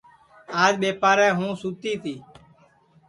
آج ٻیپارے ہوں سوتی تی